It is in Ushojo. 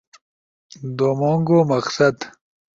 دُومونگو مقصد